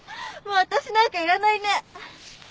もう私なんかいらないね。